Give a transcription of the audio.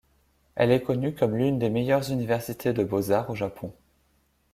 Elle est connue comme l'une des meilleures universités de beaux-arts au Japon.